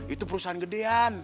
itu perusahaan gede an